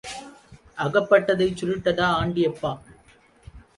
அகப்பட்டதைச் சுருட்டடா ஆண்டியப்பா.